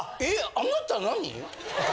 あなた何？